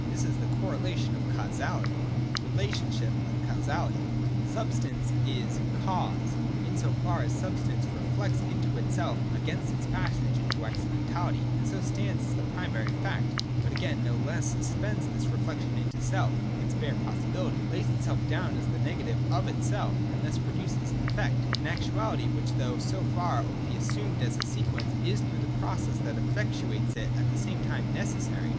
This is the correlation of Causality. (6) Relationship of Causality. 153.J Substance is Cause, in so far as substance re flects into self as against its passage into accidentality and so stands as the primary fact, but again no less suspends this reflection into self (its bare possibility), lays itself down as the negative of itself, and thus pro duces an Effect, an actuality, which, though so far only assumed as a sequence, is through the process that effectuates it at the same time necessary.